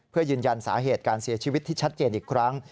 เพื่อยืนยันสาเหตุการเสียชีวิตที่ชัดเจนอีกครั้ง